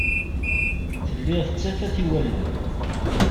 Telliḍ d tafat i wallen.